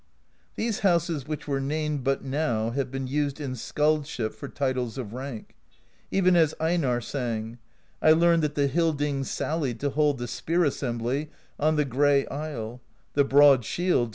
"These houses which were named but now have been used in skaldship for titles of rank. Even as Einarr sang: I learned that the Hildings sallied To hold the Spear Assembly On the Gray Isle; the broad shields.